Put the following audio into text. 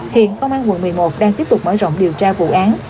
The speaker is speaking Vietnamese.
hiện công an quận một mươi một đang tiếp tục mở rộng điều tra vụ án